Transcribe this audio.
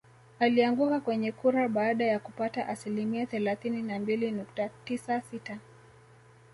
Alianguka kwenye kura baada ya kupata asilimia thelathini na mbili nukta tisa sita